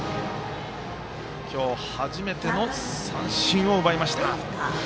今日、初めての三振を奪いました。